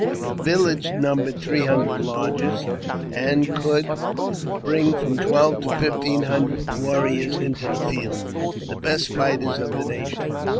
The village numbered three hundred lodges, and could bring from twelve to fifteen hundred warriors into the field — the best fighters of the nation.